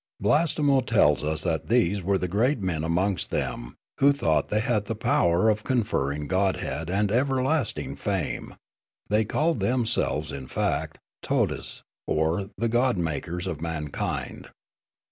Blastemo tells us that these were the great men amongst them, who thought they had the power of conferring godhead and everlasting fame ; they called themselves, in fact, Todes, or the godmakers of mankind.